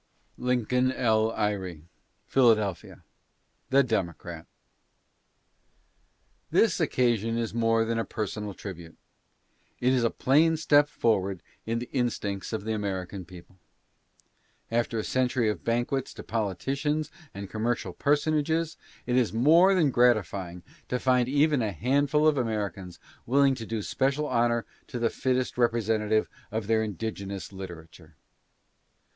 LINCOLN L. EYRE: Philadelphia. THE DEMOCRAT. This occasion is more than a personal tribute. It is a plain step forward in the instincts of the American people. After a century of banquets to politicians and commercial personages, it is more than gratifying to find even a handful of Americans willing to do special honor to the fittest representative of their indigenous literature.